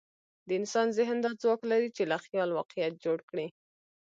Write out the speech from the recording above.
د انسان ذهن دا ځواک لري، چې له خیال واقعیت جوړ کړي.